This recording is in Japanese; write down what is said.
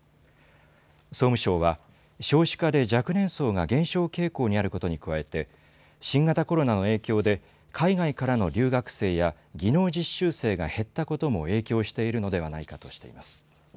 総務省は少子化で若年層が減少傾向にあることに加えて新型コロナの影響で海外からの留学生や技能実習生が減ったことも影響しているのではないかとしています。